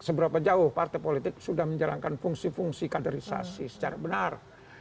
seberapa jauh partai politik sudah menjalankan fungsi fungsi kaderisasi secara benar